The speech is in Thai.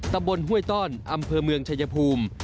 ตำบลห้วยต้อนอำเภอเมืองชายภูมิ